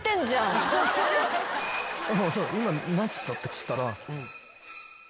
今何つった？って聞いたら。